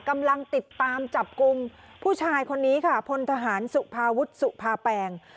กำลังติดตามจับกลุ่มผู้ชายคนนี้ค่ะพลทหารสุภาวุฒิสุภาแปง